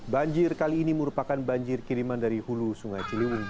banjir kali ini merupakan banjir kiriman dari hulu sungai ciliwung